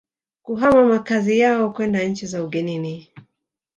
kuhama makazi yao kwenda nchi za ugenini